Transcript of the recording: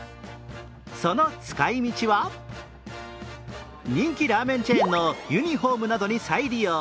その使いみちは人気ラーメンチェーンのユニフォームなどに再利用。